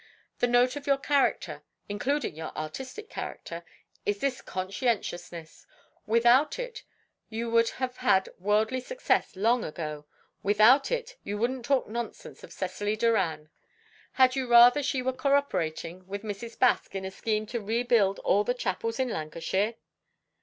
The note of your character, including your artistic character, is this conscientiousness. Without it, you would have had worldly success long ago. Without it, you wouldn't talk nonsense of Cecily Doran. Had you rather she were co operating with Mrs. Baske in a scheme to rebuild all the chapels in Lancashire?"